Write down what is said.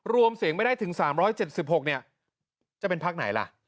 รวมเสียงไม่ได้ถึง๓๗๖เนี่ยจะเป็นพักไหนล่ะ